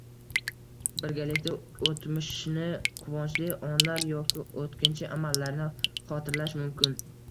Birgalikda o‘tmishni – quvonchli onlar yoki o‘kinchli alamlarni xotirlash mumkin.